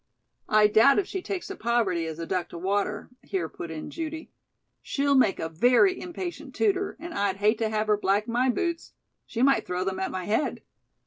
"I doubt if she takes to poverty as a duck to water," here put in Judy. "She'll make a very impatient tutor, and I'd hate to have her black my boots. She might throw them at my head."